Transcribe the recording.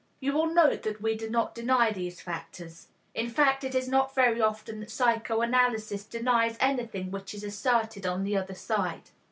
You will note that we do not deny these factors. In fact, it is not very often that psychoanalysis denies anything which is asserted on the other side.